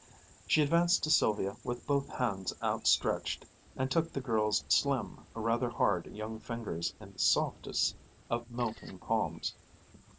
She advanced to Sylvia with both hands outstretched, and took the girl's slim, rather hard young fingers in the softest of melting palms.